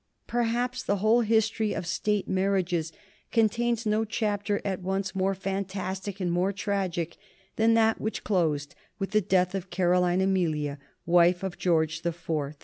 Perhaps the whole history of State marriages contains no chapter at once more fantastic and more tragic than that which closed with the death of Caroline Amelia, wife of George the Fourth.